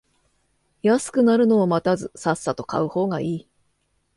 安くなるのを待たずさっさと買う方がいい